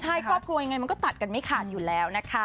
ใช่ครอบครัวยังไงมันก็ตัดกันไม่ขาดอยู่แล้วนะคะ